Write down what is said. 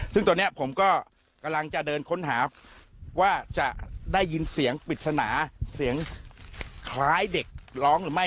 ซึ่งตอนนี้ผมก็กำลังจะเดินค้นหาว่าจะได้ยินเสียงปริศนาเสียงคล้ายเด็กร้องหรือไม่